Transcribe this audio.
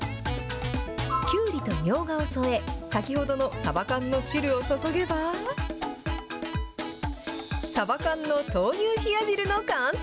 きゅうりとみょうがを添え、先ほどのさば缶の汁を注げば、さば缶の豆乳冷や汁の完成。